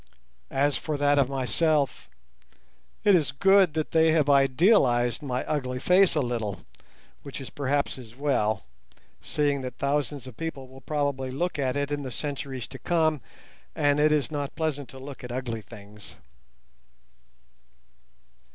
As for that of myself, it is good, but they have idealized my ugly face a little, which is perhaps as well, seeing that thousands of people will probably look at it in the centuries to come, and it is not pleasant to look at ugly things.